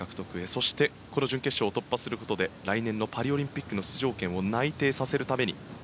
そしてこの準決勝を突破することで来年のパリオリンピックの出場権を内定させるために。